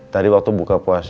tadi waktu buka puasa